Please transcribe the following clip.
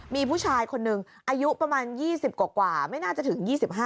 มีผู้ชายคนหนึ่งอายุประมาณ๒๐กว่าไม่น่าจะถึง๒๕